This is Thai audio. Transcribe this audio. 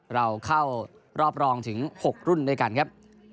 เราเข้ารอบรองถึง๖รุ่นด้วยกันครับ